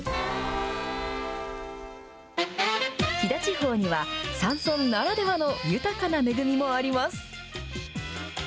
飛騨地方には、山村ならではの豊かな恵みもあります。